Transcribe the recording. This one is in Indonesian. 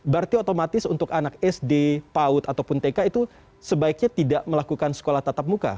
berarti otomatis untuk anak sd paud ataupun tk itu sebaiknya tidak melakukan sekolah tatap muka